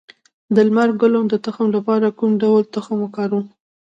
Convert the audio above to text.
د لمر ګل د تخم لپاره کوم ډول تخم وکاروم؟